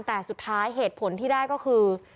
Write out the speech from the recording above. แต่สุดท้ายเหตุผลที่ได้ก็คือ